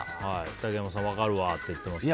竹山さん分かるわって言ってましたね。